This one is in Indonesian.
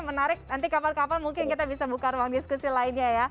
menarik nanti kapan kapan mungkin kita bisa buka ruang diskusi lainnya